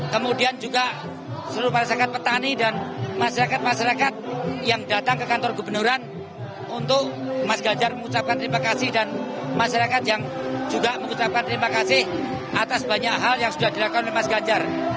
kemudian juga seluruh masyarakat petani dan masyarakat masyarakat yang datang ke kantor gubernuran untuk mas ganjar mengucapkan terima kasih dan masyarakat yang juga mengucapkan terima kasih atas banyak hal yang sudah dilakukan oleh mas ganjar